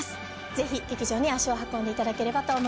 ぜひ劇場に足を運んでいただければと思います。